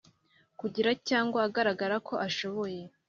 Kugira cyangwa agaragarako ashobora